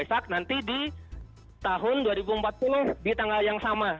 itu akan terjadi pada waisak nanti di tahun dua ribu empat puluh di tanggal yang sama